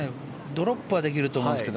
ドロップはできると思いますが。